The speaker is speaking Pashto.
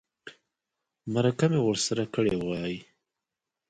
مرکه مې ورسره کړې وای.